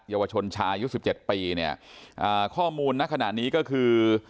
เยาวชนชายุด๑๗ปีข้อมูลขนาดนี้ก็คือ